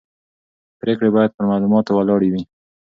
پرېکړې باید پر معلوماتو ولاړې وي